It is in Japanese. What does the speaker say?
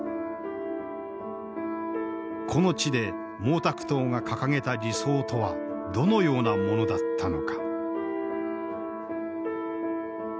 この地で毛沢東が掲げた理想とはどのようなものだったのか。